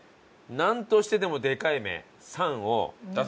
なんとしてでもでかい目「３」を。